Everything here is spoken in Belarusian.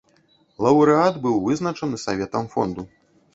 Лаўрэат быў вызначаны саветам фонду.